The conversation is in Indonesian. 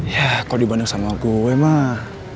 yah kalau dibanding sama gue mah